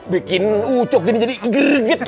bikin ucok ini jadi gergetan